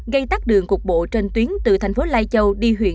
gây tắc đường cục bộ trên tuyến từ thành phố lai châu